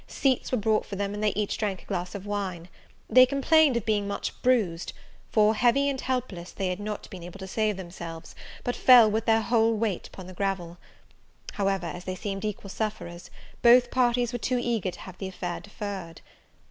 Seats were brought for them; and they each drank a glass of wine. They complained of being much bruised; for, heavy and helpless, they had not been able to save themselves, but fell with their whole weight upon the gravel. However, as they seemed equal sufferers, both parties were too eager to have the affair deferred.